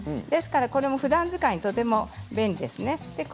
これも、ふだん使いにとても便利です。